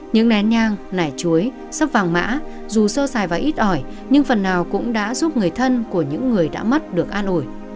những nén nhang nẻ chuối sắp vàng mã dù sơ xài và ít ỏi nhưng phần nào cũng đã giúp người thân của những người đã mất được an ủi